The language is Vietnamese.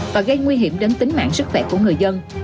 và gây nguy hiểm đến tính mạng sức khỏe của người dân